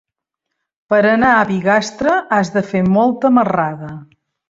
Per anar a Bigastre has de fer molta marrada.